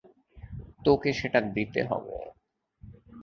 তোকে সেটা দিতে হবে।